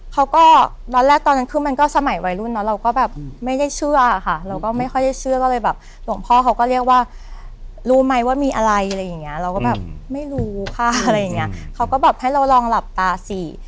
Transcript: เขาก็ตอนแรกตอนนั้นคือมันก็สมัยวัยรุ่นเนอะเราก็แบบไม่ได้เชื่อค่ะเราก็ไม่ค่อยได้เชื่อก็เลยแบบหลวงพ่อเขาก็เรียกว่ารู้ไหมว่ามีอะไรอะไรอย่างเงี้ยเราก็แบบไม่รู้ค่ะอะไรอย่างเงี้ยเขาก็แบบให้เราลองหลับตาสิ